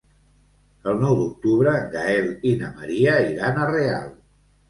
El nou d'octubre en Gaël i na Maria iran a Real.